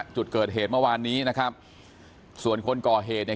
จุดเกิดเหตุเมื่อวานนี้นะครับส่วนคนก่อเหตุเนี่ย